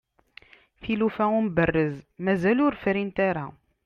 tilufa n umberrez mazal ur frint ara